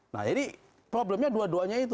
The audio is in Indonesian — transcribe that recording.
nah jadi problemnya dua duanya itu